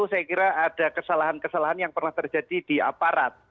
saya kira ada kesalahan kesalahan yang pernah terjadi di aparat